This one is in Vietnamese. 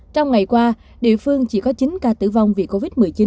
trong ngày qua địa phương chỉ có chín ca tử vong vì covid một mươi chín